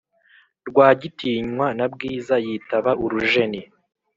rwagitinywa na bwiza yitaba urujeni